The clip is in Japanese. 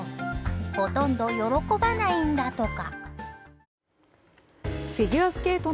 ほとんど喜ばないんだとか。